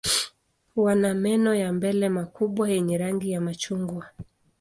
Wana meno ya mbele makubwa yenye rangi ya machungwa.